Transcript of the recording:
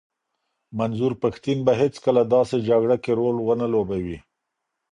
منظور پښتین به هیڅکله داسي جګړه کي رول ونه لوبوي.